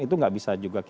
itu enggak terlalu penting